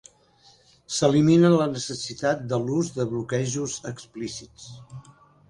S'elimina la necessitat de l'ús de bloquejos explícits.